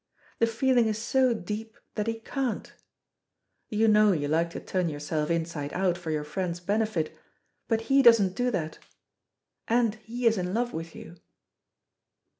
The feeling is so deep that he can't. You know you like to turn yourself inside out for your friend's benefit, but he doesn't do that. And he is in love with you."